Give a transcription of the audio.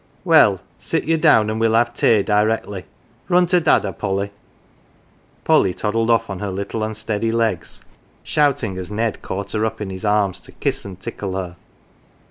" Well, sit ye down, an 1 we" 1 !! have tay directly. Run to Dada, Polly." Polly toddled oft' on her little unsteady legs, shout ing as Ned caught her up in his arms to kiss and tickle her.